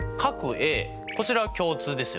Ａこちらは共通ですよね。